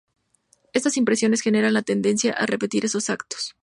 Estas impresiones generan la tendencia a repetir esos actos.